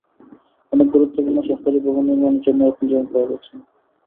অনেক গুরুত্বপূর্ণ সরকারি ভবন নির্মাণের জন্যও এখন জমি পাওয়া যাচ্ছে না।